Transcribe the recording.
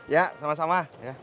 ya sama sama